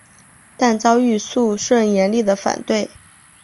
但遭遇肃顺严厉的反对。